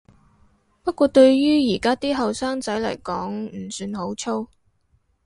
不過對於而家啲後生仔來講唔算好粗